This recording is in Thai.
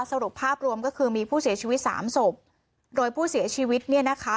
สรุปภาพรวมก็คือมีผู้เสียชีวิตสามศพโดยผู้เสียชีวิตเนี่ยนะคะ